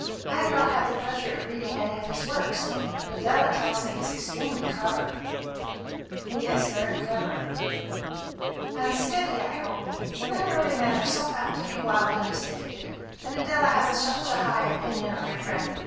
I have not had the pleasure of reading any of his works; but Adela tells me he is extremely clever." "He is very clever." "And steady, I hope. Literary men are so apt to be wild and dissipated; and Adela has such a high opinion of your friend.